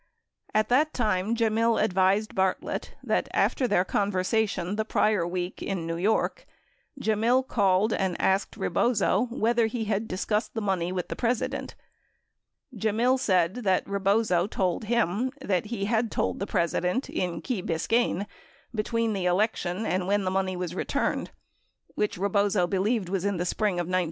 At that time, Gemmill advised Bartlett that after their conversation the prior week in New York, Gemmill called and asked Rebozo whether he had discussed the money with the President. Gemmill said Rebozo told him that he had told the President in Key Biscayne between the election and when the money was returned, which Rebozo believed was in the spring of 1973.